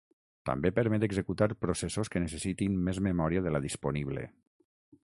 També permet executar processos que necessitin més memòria de la disponible.